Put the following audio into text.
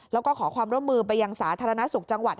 แล้วก็ขอความร่วมมือไปยังสาธารณสุขจังหวัด